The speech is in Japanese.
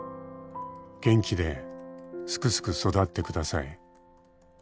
「元気ですくすく育ってください」